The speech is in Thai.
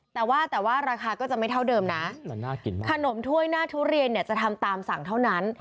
แต่ว่าแต่ว่าราคาก็จะไม่เท่าเดิมนะขนมถ้วยหน้าทุเรียนเนี่ยจะทำตามสั่งเท่านั้น